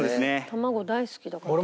卵大好きだから。